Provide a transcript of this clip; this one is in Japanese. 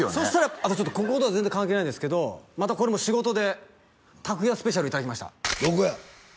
あとちょっとこことは全然関係ないんですけどまたこれも仕事で拓哉スペシャルいただきましたどこや？